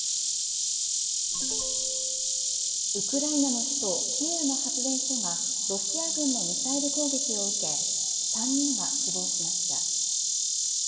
ウクライナの首都キーウの発電所がロシア軍のミサイル攻撃を受け３人が死亡しました。